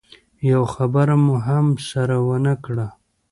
يوه خبره مو هم سره ونه کړه.